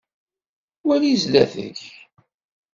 Wali zdat-k.